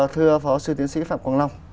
thưa phó sư tiến sĩ phạm quang long